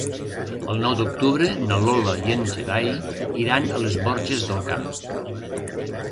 El nou d'octubre na Lola i en Gerai iran a les Borges del Camp.